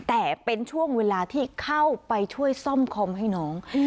แต่เป็นช่วงเวลาที่เข้าไปช่วยซ่อมคอมให้น้อง